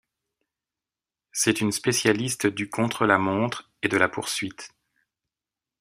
C'est une spécialiste du contre-la-montre et de la poursuite.